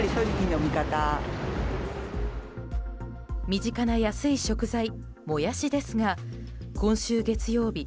身近な安い食材もやしですが今週月曜日